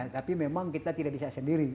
tapi memang kita tidak bisa sendiri